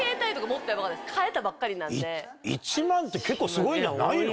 １万って結構すごいんじゃないの？